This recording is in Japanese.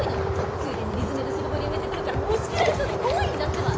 ついでに理詰めで外堀埋めてくるから押し切られそうで怖いんだってば！